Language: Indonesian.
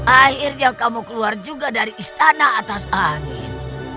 akhirnya kamu keluar juga dari istana atas angin